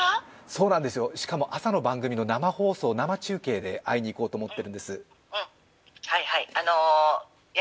そうなんですよ、しかも朝の番組の生放送、生中継で会いに行こうと思っているんです。